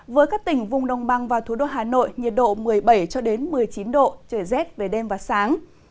với các tỉnh vùng đông băng và thủ đô hà nội nhiệt độ một mươi bảy một mươi chín độ trời rét về đêm và sáng